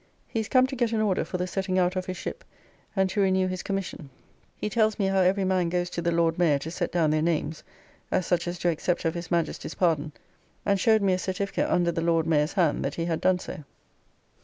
He is come to get an order for the setting out of his ship, and to renew his commission. He tells me how every man goes to the Lord Mayor to set down their names, as such as do accept of his Majesty's pardon, and showed me a certificate under the Lord Mayor's hand that he had done so.